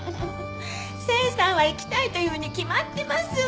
清さんは行きたいと言うに決まってます。